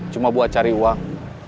cuma buat cari uang